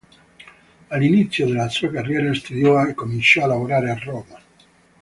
All'inizio della sua carriera studiò e comincio a lavorare a Roma.